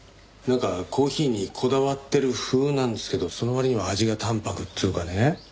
なんかコーヒーにこだわってる風なんですけどその割には味が淡泊っつうかね。